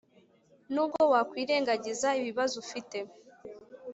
Nubwo wakwirengagiza ibibazo ufite